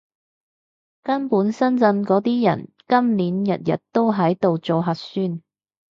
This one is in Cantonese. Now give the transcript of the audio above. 根本深圳嗰啲人，今年日日都喺度做核酸